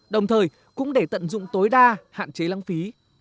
đồng thời cũng để tận dụng tối đa hạn chế lãng phí